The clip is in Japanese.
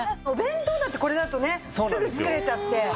お弁当だってこれだとねすぐ作れちゃって。